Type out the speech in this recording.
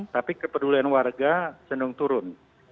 tapi kepedulian warga cenderung turun